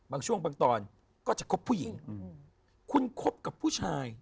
บางช่วงบางตอนก็จะคบผู้หญิงคุณคบกับผู้ชาย